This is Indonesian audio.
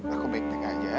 aku baik baik aja